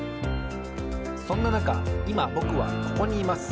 そんななかいまぼくはここにいます。